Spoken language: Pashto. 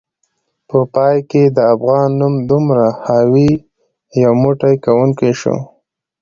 په پای کې د افغان نوم دومره حاوي، یو موټی کونکی شو